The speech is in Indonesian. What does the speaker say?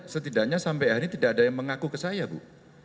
setidaknya sampai hari ini tidak ada yang mengaku ke saya bu